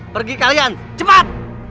pergi kalian cepat